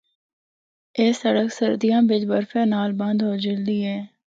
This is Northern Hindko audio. اے سڑک سردیاں بچ برفا نال بند ہو جلدی اے۔